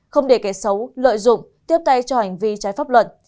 không để kẻ xấu lợi dụng tiếp tay cho hành vi trái pháp luật